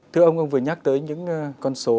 thưa ông ông vừa nhắc tới những con số